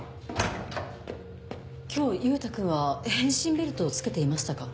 今日優太君は変身ベルトを着けていましたか？